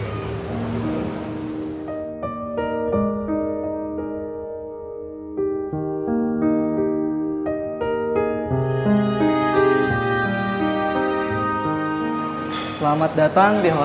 kamu nggak tahu impacting dasar beneran